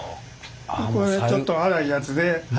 これちょっと荒いやつで。